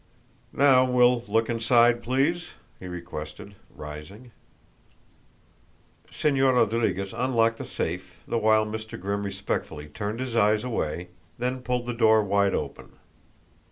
"Now, we'll look inside, please," he requested, rising. Señor Rodriguez unlocked the safe the while Mr. Grimm respectfully turned his eyes away, then pulled the door wide open.